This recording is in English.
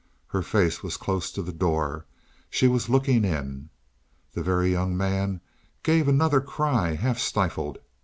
Her face was close to the door; she was looking in. The Very Young Man gave another cry, half stifled.